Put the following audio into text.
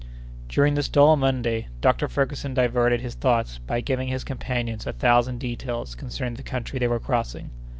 During this dull Monday, Dr. Ferguson diverted his thoughts by giving his companions a thousand details concerning the country they were crossing.